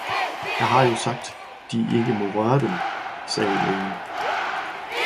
"Jeg har jo sagt, De maa ikke røre Dem, sagde Lægen."